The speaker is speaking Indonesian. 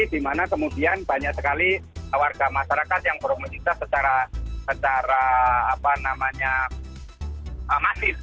di mana kemudian banyak sekali warga masyarakat yang bermunitas secara masif